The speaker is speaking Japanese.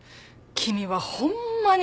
君はホンマに。